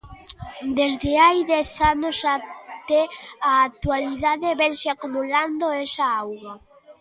Desde hai dez anos até a actualidade, vénse acumulando esa auga.